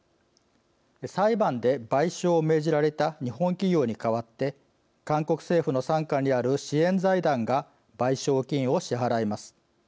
裁判で賠償を命じられた日本企業に代わって韓国政府の傘下にある支援財団が賠償金を支払います。